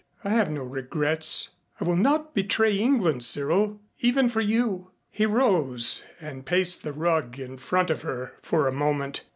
"I have no regrets. I will not betray England, Cyril, even for you." He rose and paced the rug in front of her for a moment.